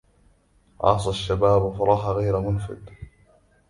عاصى الشباب فراح غير مفند